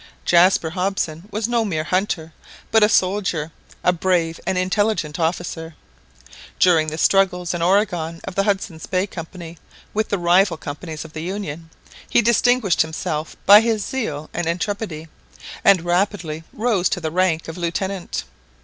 Jaspar Hobson was no mere hunter, but a soldier, a brave and intelligent officer. During the struggles in Oregon of the Hudson's Bay Company with the rival companies of the Union, he distinguished himself by his zeal and intrepidity, and rapidly rose to the rank of lieutenant.